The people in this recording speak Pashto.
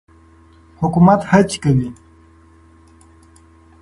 حکومت هڅې کوي.